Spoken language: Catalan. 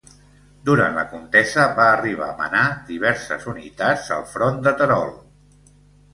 Durant la contesa va arribar a manar diverses unitats al Front de Terol.